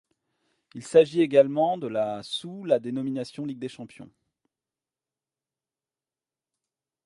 Il s'agit également de la sous la dénomination Ligue des champions.